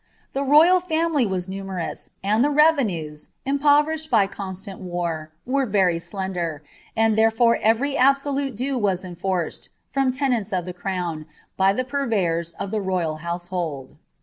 The royal family was numerous, and the revenues, impoverished by con •laot war, were very slender, and therefore every absolute due was en forced, from tenants of the crown, by the purveyors of the royal house hold.'